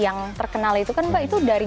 yang terkenal itu kan mbak itu dari